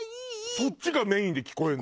そっちがメインで聞こえるの？